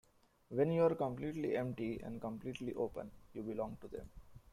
When you are completely empty and completely open, you belong to them.